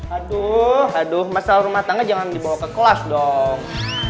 aduh masalah rumah tangga jangan dibawa ke kelas dong